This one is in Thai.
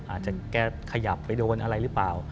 อาจจะแกขยับไปโดนอะไรหรือเปล่า